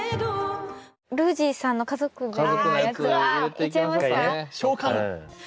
ルージさんの家族のやつはいっちゃいますか？